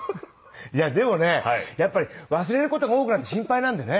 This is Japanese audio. でもねやっぱり忘れる事が多くなって心配なんでね